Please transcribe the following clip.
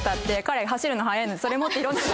それ持っていろんな所に。